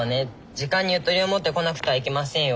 時間にゆとりを持って来なくてはいけませんよ。